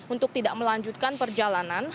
untuk tidak melanjutkan perjalanan